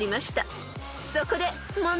［そこで問題］